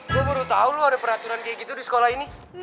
gue baru tahu loh ada peraturan kayak gitu di sekolah ini